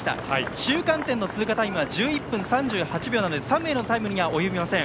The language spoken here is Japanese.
中間点の通過タイムは１１分３８秒なのでサムエルのタイムには及びません。